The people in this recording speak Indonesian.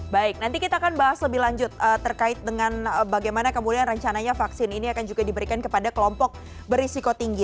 baik nanti kita akan bahas lebih lanjut terkait dengan bagaimana kemudian rencananya vaksin ini akan juga diberikan kepada kelompok berisiko tinggi